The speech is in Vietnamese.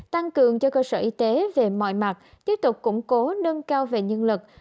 tăng cường cho cơ sở y tế về mọi mặt tiếp tục củng cố nâng cao về nhân lực